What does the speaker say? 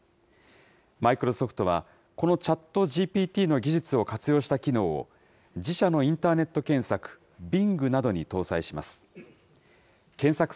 マイクロソフトは、このチャットＧＰＴの技術を活用した機能を、自社のインターネット検索、Ｂｉｎｇなどに搭載します。